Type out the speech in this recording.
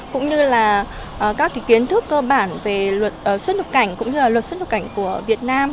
cũng như là các kiến thức cơ bản về luật xuất nhập cảnh cũng như là luật xuất nhập cảnh của việt nam